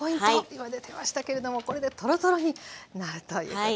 今出てましたけれどもこれでトロトロになるということです。